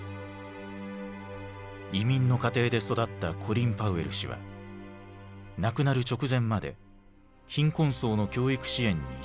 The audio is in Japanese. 移民の家庭で育ったコリン・パウエル氏は亡くなる直前まで貧困層の教育支援に私財を投じた。